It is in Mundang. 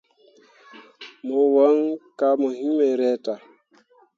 Mo wan kah mo hiŋ me reta.